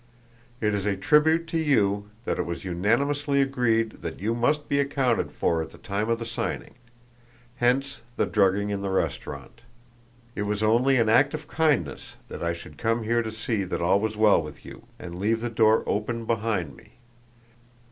It is a tribute to you that it was unanimously agreed that you must be accounted for at the time of the signing, hence the drugging in the restaurant; it was only an act of kindness that I should come here to see that all was well with you, and leave the door open behind me.